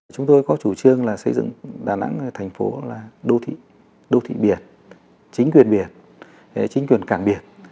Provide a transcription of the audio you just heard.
chúng tôi có chủ trương xây dựng đà nẵng thành phố là đô thị biển chính quyền biển chính quyền cảng biển